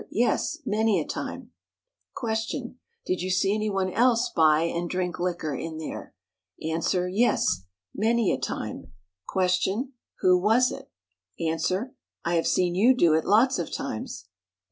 Yes, many a time. "Q. Did you see anyone else buy and drink liquor in there? "A. Yes, many a time. "Q. Who was it? "A. I have seen you do it lots of times."